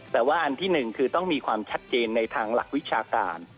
แต่ว่าอันที่หนึ่งคือต้องมีความชัดเจนในทางหลักวิชาการ